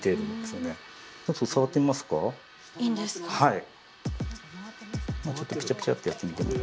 はい。